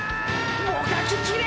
もがききれ！！